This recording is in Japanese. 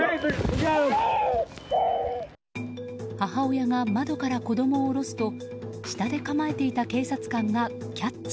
母親が窓から子供を下ろすと下で構えていた警察官がキャッチ。